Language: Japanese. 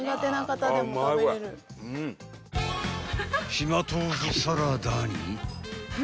［島豆腐サラダに］